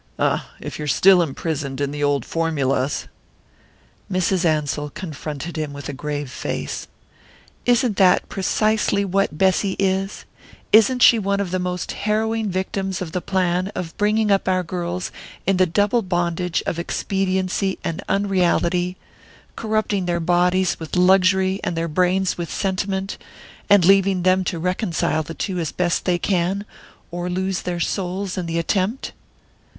"Ah, if you're still imprisoned in the old formulas!" Mrs. Ansell confronted him with a grave face. "Isn't that precisely what Bessy is? Isn't she one of the most harrowing victims of the plan of bringing up our girls in the double bondage of expediency and unreality, corrupting their bodies with luxury and their brains with sentiment, and leaving them to reconcile the two as best they can, or lose their souls in the attempt?"